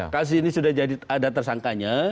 kasus ini sudah jadi ada tersangkanya